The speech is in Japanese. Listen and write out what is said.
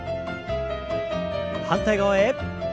反対側へ。